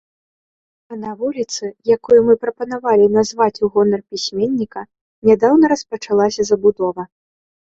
А на вуліцы, якую мы прапанавалі назваць у гонар пісьменніка, нядаўна распачалася забудова.